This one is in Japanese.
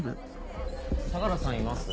相良さんいます？